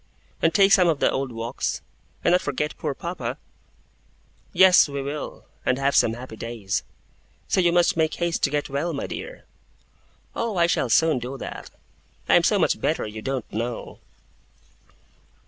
And take some of the old walks? And not forget poor papa?' 'Yes, we will, and have some happy days. So you must make haste to get well, my dear.' 'Oh, I shall soon do that! I am so much better, you don't know!